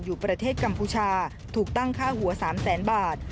อยู่ประเทศกัมพูชาถูกตั้งค่าหัว๓แสนบาท